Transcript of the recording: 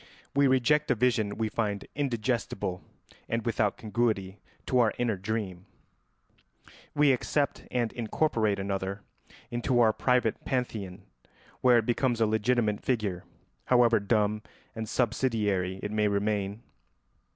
We reject a vision we find indigestible and without congruity to our inner dream; we accept and incorporate another into our private pantheon, where it becomes a legitimate figure, however dumb and subsidiary it may remain.